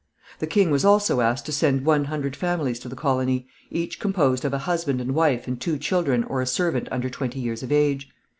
The king was also asked to send one hundred families to the colony, each composed of a husband and wife and two children or a servant under twenty years of age.